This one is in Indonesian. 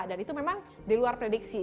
dan itu memang di luar prediksi